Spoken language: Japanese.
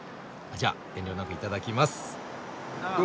じゃ遠慮なくいただきます。